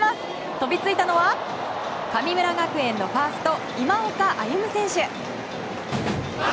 飛びついたのは神村学園のファースト今岡歩夢選手。